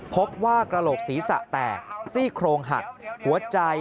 พบว่ากระโหลกศีรษะแตกซี่โครงหักหัวใจ